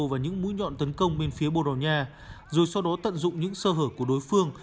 vào những mũi nhọn tấn công bên phía bồ đào nha rồi sau đó tận dụng những sơ hở của đối phương